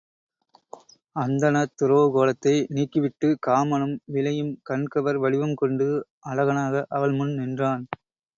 அந்தணத் துறவுக் கோலத்தை நீக்கிவிட்டுக் காமனும் விழையும் கண்கவர் வடிவம் கொண்டு அழகனாக அவள் முன் நின்றான்.